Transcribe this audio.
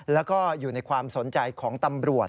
แล้วก็อยู่ในความสนใจของตำรวจ